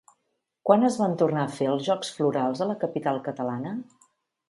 Quan es van tornar a fer els Jocs Florals a la capital catalana?